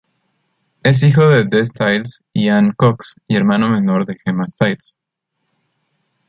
Es hijo de Des Styles y Anne Cox, y hermano menor de Gemma Styles.